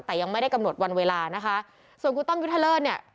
แต่ยังไม่ได้กำหนดวันเวลานะคะส่วนคุณตั้มยุทธเลิศเนี่ย